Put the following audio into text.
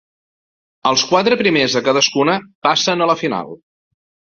Els quatre primers de cadascuna passen a la final.